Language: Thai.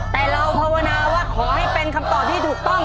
แต่เราภาวนาว่าขอให้เป็นคำตอบที่ถูกต้อง